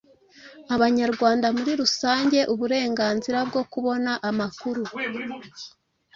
Abanyarwanda muri rusange. Uburenganzira bwo kubona amakuru